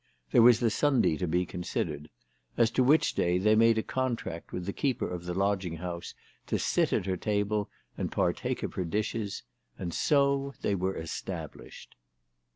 There was the Sunday to be considered, as to which day they made a contract with the keeper of the lodging house to sit at her table and partake of her dishes. And so they were established.